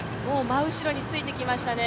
真後ろについてきましたね。